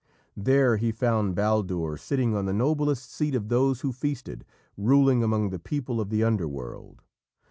There he found Baldur, sitting on the noblest seat of those who feasted, ruling among the people of the Underworld.